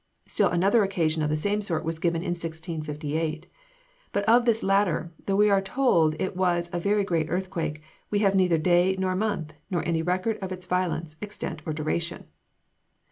Still another occasion of the same sort was given in 1658. But of this latter, though we are told it was a very great earthquake, we have neither day nor month, nor any record of its violence, extent or duration.